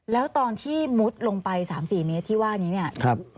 แล้วตอนที่มุดลงไป๓๔เมตรที่ว่านี้เนี่ย